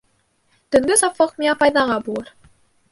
Төнгө сафлыҡ миңә файҙаға булыр.